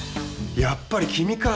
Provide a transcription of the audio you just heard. やっぱり君か。